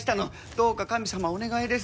どうか神様お願いです。